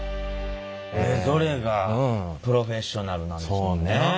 それぞれがプロフェッショナルなんですもんね。